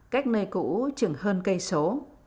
cách nơi cũ chừng hơn cây số